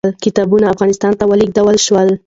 کتابونه افغانستان ته ولېږل شول.